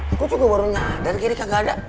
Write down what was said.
aku juga baru nyadar giri kagak ada